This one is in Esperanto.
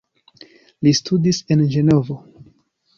Li studis en Ĝenovo.